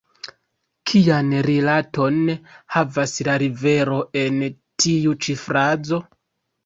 Kian rilaton havas la rivero en tiu ĉi frazo?